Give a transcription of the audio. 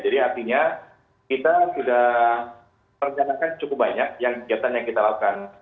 jadi artinya kita sudah perjanakan cukup banyak yang kita lakukan